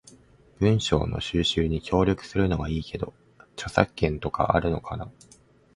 文章の収集に協力するのはいいけど、著作権とかあるのかな？